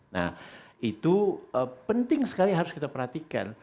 nah itu penting sekali harus kita perhatikan